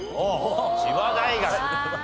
千葉大学ね。